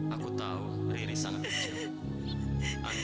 aku tahu riris sangat benci